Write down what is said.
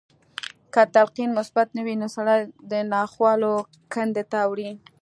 که تلقين مثبت نه وي نو سړی د ناخوالو کندې ته وړي.